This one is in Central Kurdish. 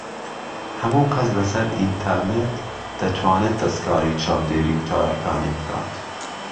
ھەموو کەس لە سەر ئینتەرنێت دەتوانێت دەستکاری و چاودێریی وتارەکانی بکات